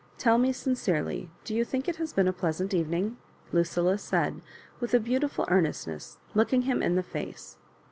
Tell me sincerely, do you think it has been a pleasant evening?" Lucilla said, with a beautiful earnestness, looking him in the face.